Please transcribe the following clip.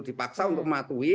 dipaksa untuk mematuhi